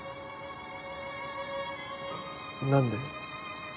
何で？